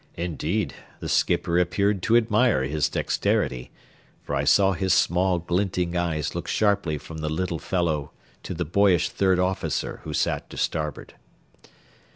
Indeed, the skipper appeared to admire his dexterity, for I saw his small, glinting eyes look sharply from the little fellow to the boyish third officer who sat to starboard.